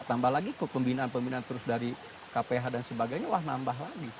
tambah lagi kok pembinaan pembinaan terus dari kph dan sebagainya wah nambah lagi